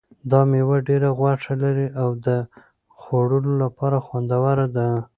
دا مېوه ډېره غوښه لري او د خوړلو لپاره خوندوره ده.